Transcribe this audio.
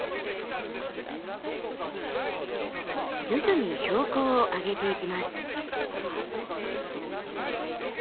徐々に標高を上げていきます。